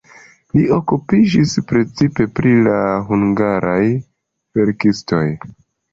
Li okupiĝis precipe pri la hungaraj verkistoj.